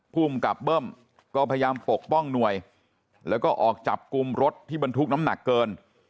ภูมิกับเบิ้มก็พยายามปกป้องหน่วยแล้วก็ออกจับกลุ่มรถที่บรรทุกน้ำหนักเกิน